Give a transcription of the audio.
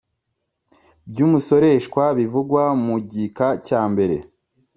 By’umusoreshwa bivugwa mu gika cya mbere